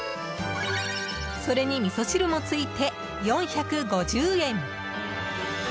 それにみそ汁もついて４５０円。